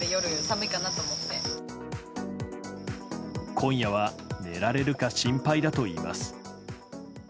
今夜は寝られるか心配だといいます。